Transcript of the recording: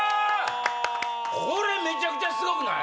これめちゃくちゃすごくない？